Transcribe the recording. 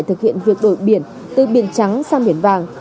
thực hiện việc đổi biển từ biển trắng sang biển vàng